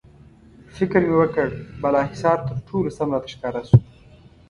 فکر مې وکړ، بالاحصار تر ټولو سم راته ښکاره شو.